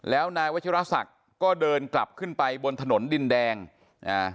แล้วนายวัชิรศักดิ์ก็เดินกลับขึ้นไปบนถนนดินแดงอ่า